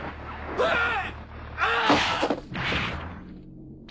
うわっ！